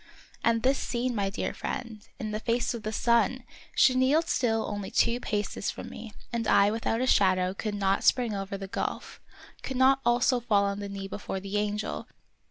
And this scene, my dear friend, in the face of the sun ! She kneeled still only two paces from me, and I without a shadow could not spring over the gulf, could not also fall on the knee before the angel